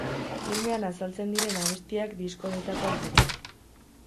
Filmean azaltzen diren abestiak disko honetakoak dira.